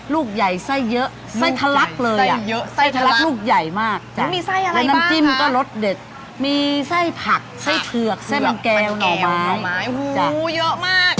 ลูกใหญ่ไส้เยอะไส้ทะลักเลยอ่ะเยอะไส้ทะลักลูกใหญ่มากแล้วมีไส้อะไรน้ำจิ้มก็รสเด็ดมีไส้ผักไส้เผือกไส้มันแก้วหน่อไม้หมูเยอะมาก